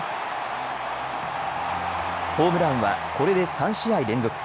ホームランはこれで３試合連続。